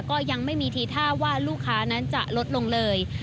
ก็ยังไม่มีทีท่าว่าลูกค้านั้นจะลดลงเลย